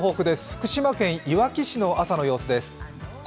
福島県いわき市の朝の様子です。